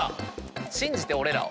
信じて俺らを。